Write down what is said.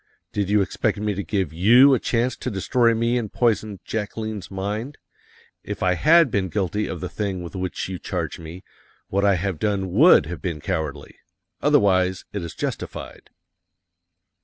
"Did you expect me to give you a chance to destroy me and poison Jacqueline's mind? If I had been guilty of the thing with which you charge me, what I have done would have been cowardly. Otherwise, it is justified."